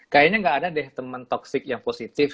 kayaknya nggak ada deh temen toxic yang positif